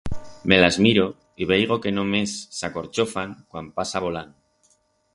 Me las miro y veigo que només s'acorchofan cuan pasa voland.